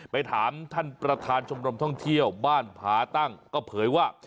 ไปถามท่านประธานชมรมท่องเที่ยวบ้านผาตั้งก็เผยว่า